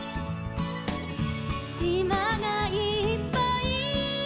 「しまがいっぱい」